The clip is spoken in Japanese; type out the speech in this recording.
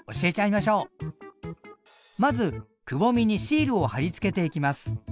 まずくぼみにシールを貼り付けていきます。